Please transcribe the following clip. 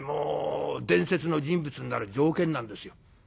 伝説の人物になる条件なんですよ。